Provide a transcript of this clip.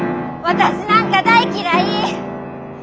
私なんか大嫌い！